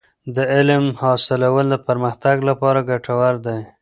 د علم حاصلول د پرمختګ لپاره ګټور دی.